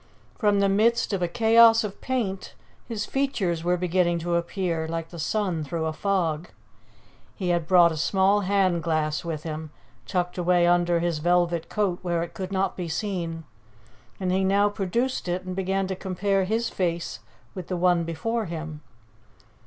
From the midst of a chaos of paint his features were beginning to appear, like the sun through a fog. He had brought a small hand glass with him, tucked away under his velvet coat where it could not be seen, and he now produced it and began to compare his face with the one before him.